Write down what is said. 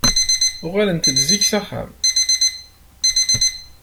Uɣalent-d zik s axxam.